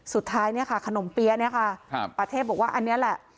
สุดท้ายเนี่ยค่ะขนมเปี๊ยะเนี่ยค่ะปาเทพบอกว่าอันนี้แหละ